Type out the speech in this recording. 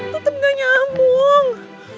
tetep ga nyambung